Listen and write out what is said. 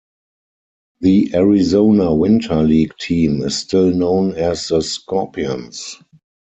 The Arizona Winter League team is still known as the Scorpions.